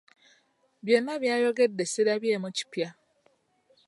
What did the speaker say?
Byonna by'ayogedde sirabyemu kipya.